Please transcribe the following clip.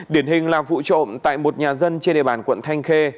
điển hình là vụ trộm tại một nhà dân trên địa bàn quận thanh khê